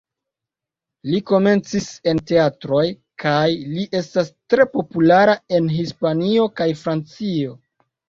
Li komencis en teatroj, kaj li estas tre populara en Hispanio kaj Francio.